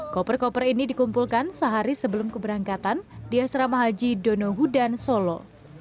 koper koper ini dikumpulkan sehari sebelum keberangkatan di asrama haji donohudan solo